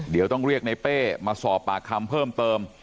เดี๋ยวต้องเรียกในเป้มาสอบปากคำเพิ่มเติม